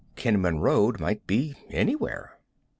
Kenman Road might be anywhere.